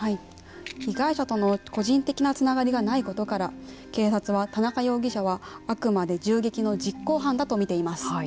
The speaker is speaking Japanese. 被害者との個人的なつながりがないことから警察は、田中容疑者はあくまで銃撃の実行犯だと見ています。